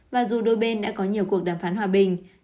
và dù đôi bên đã có nhiều cuộc đàm phán hòa bình